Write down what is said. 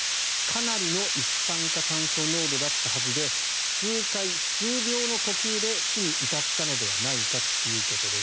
かなりの一酸化炭素濃度だったはずで数回、数秒の呼吸で死に至ったのではないかということです。